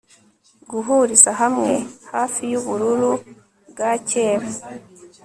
guhuriza hamwe hafi yubururu bwa kera